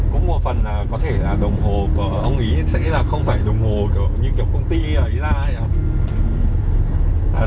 có một phần là có thể đồng hồ của ông ý sẽ là không phải đồng hồ của những chỗ công ty ấy ra hay không